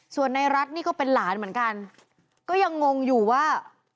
ส่วนในรัฐนี่ก็เป็นหลานเหมือนกันก็ยังงงอยู่ว่า